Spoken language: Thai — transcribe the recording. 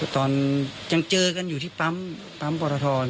ตอนยังเจอกันอยู่ที่ปั๊มปรท